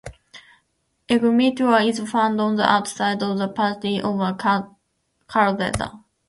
"Ignimbrita" is found on the outside of the periphery of the "caldera".